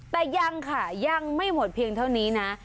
แต่ยังค่ะยังไม่หมดเพียงเท่านี้นะ